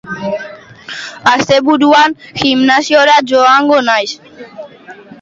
Asteburuan, gimnasiora joango naiz